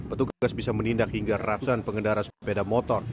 petugas bisa menindak hingga ratusan pengendara sepeda motor